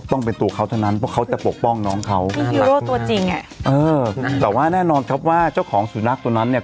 ต้องเป็นตัวเขาเท่านั้นเพราะเขาจะปกป้องน้องเขานะฮะฮีโร่ตัวจริงอ่ะเออแต่ว่าแน่นอนครับว่าเจ้าของสุนัขตัวนั้นเนี่ย